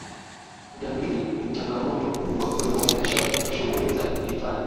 ujangiri ni changamoto kubwa kwenye uendeshaji wa shughuli za uhifadhi